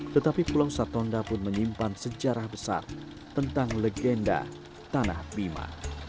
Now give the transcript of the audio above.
tetapi pulau satonda pun menyimpan sejarah besar tentang legenda tanah bima